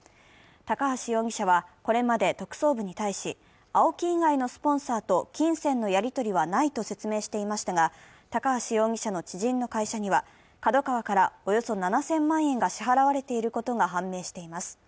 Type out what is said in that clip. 高橋容疑者はこれまで特捜部に対し、ＡＯＫＩ以外のスポンサーと金銭のやりとりはないと説明していましたが、高橋容疑者の知人の会社には、ＫＡＤＯＫＡＷＡからおよそ７０００万円が支払われていることが判明しています。